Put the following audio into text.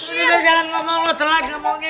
umi udah jangan ngomong lo telat ngomongnya